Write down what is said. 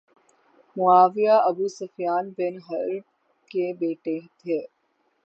معاویہ Abu Sufyan بن Harb کے بیٹے تھے